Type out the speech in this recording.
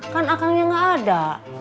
kan akangnya gak ada